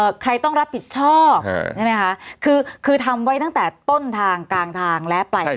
ใครต้องรับผิดชอบใช่ไหมคะคือคือทำไว้ตั้งแต่ต้นทางกลางทางและปลายทาง